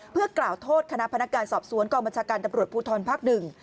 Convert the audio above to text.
เพื่อกล่าวโทษคณะพนักการสอบสวนกองบัญชาการตำรวจภูทรภาคหนึ่ง